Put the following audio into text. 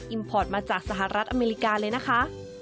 พอร์ตมาจากสหรัฐอเมริกาเลยนะคะ